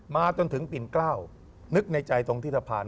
มาจนถึงปิ่นเกล้านึกในใจตรงที่สะพาน